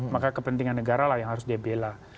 maka kepentingan negara lah yang harus dia bela